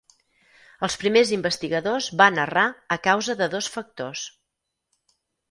Els primers investigadors van errar a causa de dos factors.